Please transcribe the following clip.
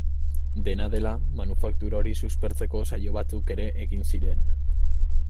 Dena dela, manufaktura hori suspertzeko saio batzuk ere egin ziren.